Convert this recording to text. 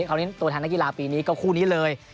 เขานี่ตัวทางนางกีฬาปีนี้ก็คู่นี้เลย